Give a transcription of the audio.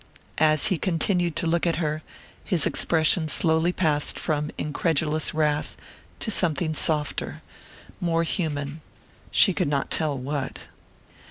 As he continued to look at her, his expression slowly passed from incredulous wrath to something softer more human she could not tell what....